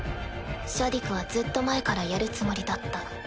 シャディクはずっと前からやるつもりだった。